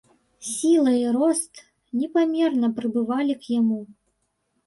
Сіла і рост непамерна прыбывалі к яму.